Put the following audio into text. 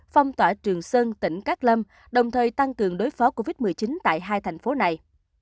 phong tỏa trường sơn tỉnh cát lâm đồng thời tăng cường đối phó covid một mươi chín tại hai thành phố này